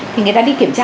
thì người ta đi kiểm tra